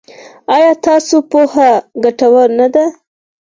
ایا ستاسو پوهه ګټوره نه ده؟